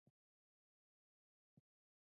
او کلتور په حقله تبصره کوو.